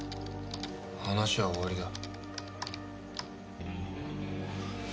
話は終わりだ。